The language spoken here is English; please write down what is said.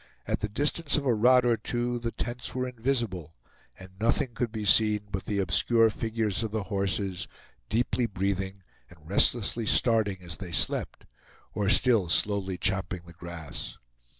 At the distance of a rod or two the tents were invisible, and nothing could be seen but the obscure figures of the horses, deeply breathing, and restlessly starting as they slept, or still slowly champing the grass.